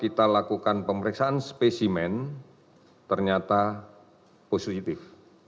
kita lakukan pemeriksaan spesimen ternyata positif